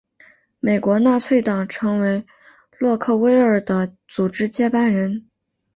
美国纳粹党成为洛克威尔的组织接班人。